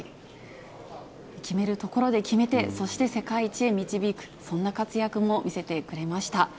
決めるところで決めて、そして世界一へ導く、そんな活躍も見せてくれました。